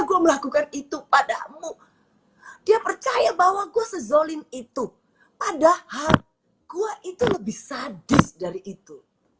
gue melakukan itu padamu dia percaya bahwa gue sezolim itu padahal gue itu lebih sadis dari itu